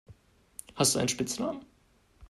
Hast du einen Spitznamen?